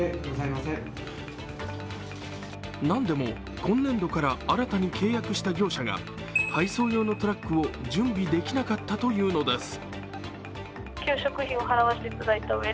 なんでも今年度から新たに契約した業者が配送用のトラックを準備できなかったというのです。